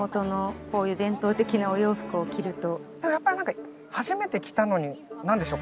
やっぱり何か初めて着たのに何でしょう